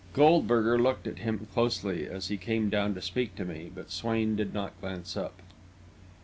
Goldberger looked at him closely, as he came down to speak to me, but Swain did not glance up.